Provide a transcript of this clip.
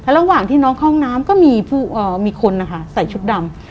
ระหว่างที่น้องเข้าห้องน้ำก็มีคนนะคะใส่ชุดดำ